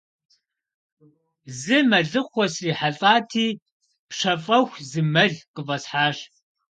Зы мэлыхъуэ срихьэлӀати, пщэфӀэху, зы мэл къыфӀэсхьащ.